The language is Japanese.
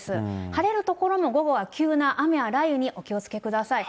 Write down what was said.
晴れる所も、午後は急な雨や雷雨にお気をつけください。